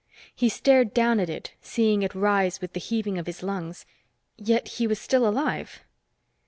He stared down at it, seeing it rise with the heaving of his lungs. Yet he was still alive!